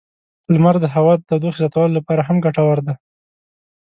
لمر د هوا د تودوخې زیاتولو لپاره هم ګټور دی.